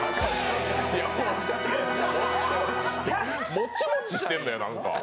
もちもちしてんのよ、何か。